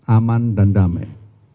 aman dan damai